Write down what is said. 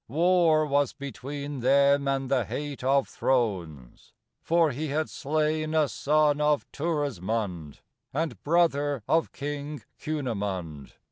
War was between them and the hate of thrones: For he had slain a son of Turismund And brother of King Cunimund.